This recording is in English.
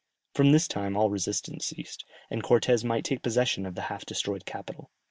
From this time all resistance ceased, and Cortès might take possession of the half destroyed capital.